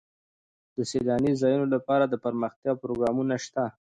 د سیلاني ځایونو لپاره دپرمختیا پروګرامونه شته دي.